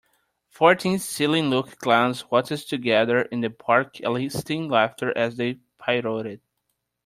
Fourteen silly looking clowns waltzed together in the park eliciting laughter as they pirouetted.